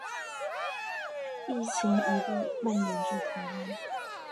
疫情一度蔓延至台湾。